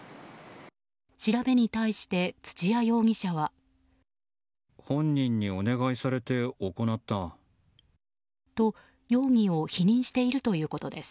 調べに対して土谷容疑者は。と、容疑を否認しているということです。